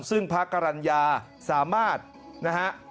ซึ่งพระกรรณญาสามารถนะฮะ